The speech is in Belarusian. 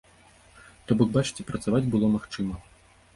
То бок, бачыце, працаваць было магчыма.